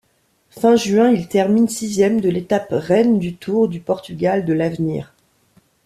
Fin juin, il termine sixième de l'étape reine du Tour du Portugal de l'Avenir.